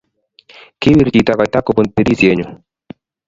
Kiwir chito koita kobun tirishenyuu